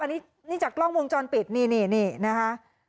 อันนี้นี่จากกล้องวงจรปิดนี่นะคะ